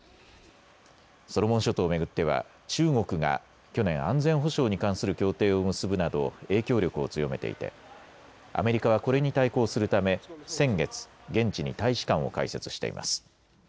ソロモン諸島を巡っては中国が去年、安全保障に関する協定を結ぶなど影響力を強めていてアメリカはこれに対抗するため先月、現地に大使館を開設しています。